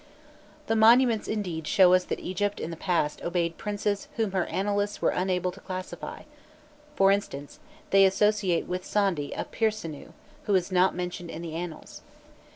The monuments, indeed, show us that Egypt in the past obeyed princes whom her annalists were unable to classify: for instance, they associate with Sondi a Pirsenû, who is not mentioned in the annals.